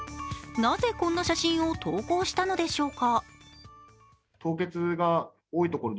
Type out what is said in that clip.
なぜこんな写真を投稿したのでしょうか。